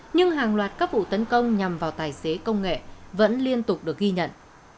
nhưng hàng loạt các vụ tấn công nhằm vào tài xế công nghệ vẫn liên tục được ghi nhận